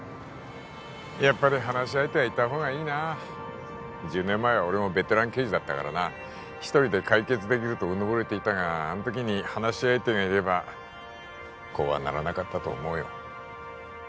やっぱり話し相手はいた方がいいな１０年前は俺もベテラン刑事だったからな１人で解決できるとうぬぼれてたがあの時に話し相手がいればこうはならなかったと思うよ